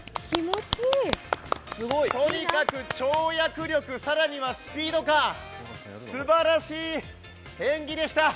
とにかく跳躍力、さらにはスピード感すばらしい演技でした。